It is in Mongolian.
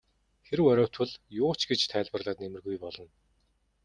Хэрэв оройтвол юу ч гэж тайлбарлаад нэмэргүй болно.